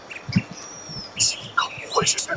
海南罗汉松为罗汉松科罗汉松属的植物。